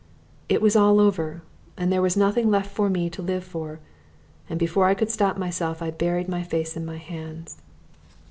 It was all over, and there was nothing left for me to live for, and before I could stop myself I buried my face in my hands.